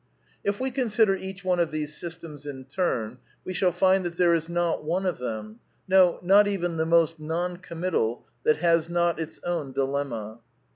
If we consider each one of these systems in turn we shall find that there is not one of them, no, not even the most non committal that has not its own dilemma.